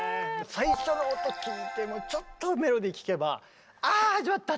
最初の音聞いてちょっとメロディー聞けば「あ始まった！」。